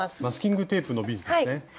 マスキングテープのビーズですね。